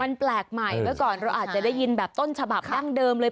มันแปลกใหม่เมื่อก่อนเราอาจจะได้ยินแบบต้นฉบับดั้งเดิมเลย